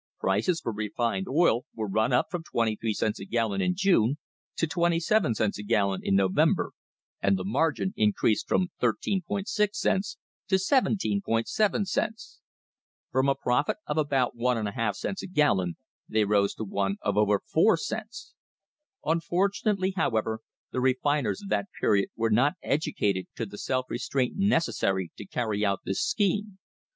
Prices for refined oil were run up from 23 cents a gallon in June to 27 cents a gallon in November, and the margin increased from 13.6 cents to 17.7 cents. From a profit of about i*/2 cents a gallon they rose to one of over 4 cents. Unfortunately, however, the refiners of that period were not educated to the self restraint necessary to carry out this scheme.